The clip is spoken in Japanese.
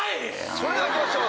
それではいきましょう